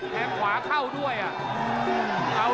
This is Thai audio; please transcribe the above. แทงขวาเข้าด้วยอ่ะ